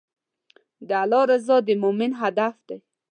د الله رضا د مؤمن هدف دی.